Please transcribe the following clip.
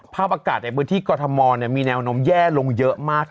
ภาพอากาศในพื้นที่กรทมมีแนวนมแย่ลงเยอะมาก